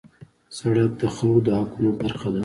سړک د خلکو د حقونو برخه ده.